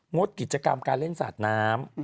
งดกิจกรรมการเล่นสาดน้ำ